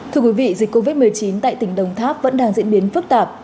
thưa quý vị dịch covid một mươi chín tại tỉnh đồng tháp vẫn đang diễn biến phức tạp